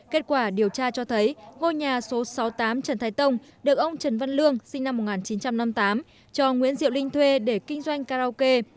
kết quả điều tra cho thấy ngôi nhà số sáu mươi tám trần thái tông được ông trần văn lương sinh năm một nghìn chín trăm năm mươi tám cho nguyễn diệu linh thuê để kinh doanh karaoke